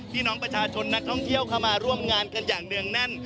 พี่น้องประชาชนนักท่องเที่ยวเข้ามาร่วมงานกันอย่างเนื่องแน่น